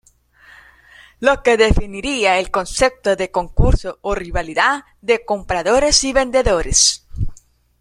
Lo que definiría el concepto de concurso o rivalidad de compradores y vendedores.